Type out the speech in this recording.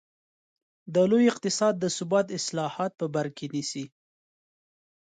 د لوی اقتصاد د ثبات اصلاحات په بر کې نیسي.